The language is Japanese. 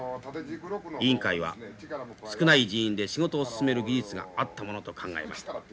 委員会は少ない人員で仕事を進める技術があったものと考えました。